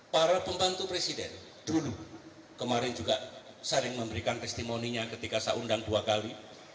para pembantu presiden dulu kemarin juga sering memberikan testimoninya ketika saya undang dua kali